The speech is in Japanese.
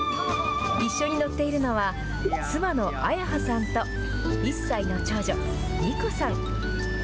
一緒に乗っているのは妻の彩葉さんと１歳の長女、虹子さん。